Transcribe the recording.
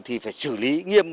thì phải xử lý nghiêm